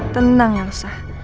tenang ya lo sa